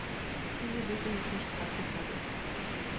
Diese Lösung ist nicht praktikabel.